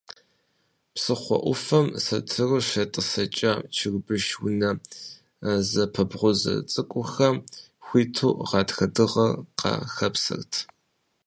Псыхъуэ ӏуфэм сэтыру щетӏысэкӏа, чэрбыш унэ зэпэбгъузэ цӏыкӏухэм, хуиту гъатхэ дыгъэр къахэпсэрт.